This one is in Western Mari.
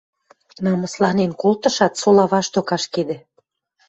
намысланен колтышат, сола вашток ашкедӹ.